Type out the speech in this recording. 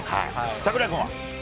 櫻井君は？